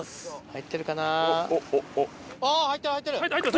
入ってるかな。